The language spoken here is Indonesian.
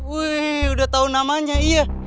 wih udah tahu namanya iya